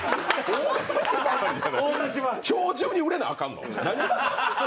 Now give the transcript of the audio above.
今日中に売れなあかんの？